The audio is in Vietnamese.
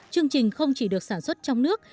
chương trình không chỉ được sản xuất trong nước